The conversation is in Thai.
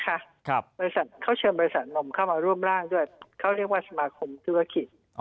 ครับบริษัทเขาเชิญบริษัทนมเข้ามาร่วมร่างด้วยเขาเรียกว่าสมาคมธุรกิจ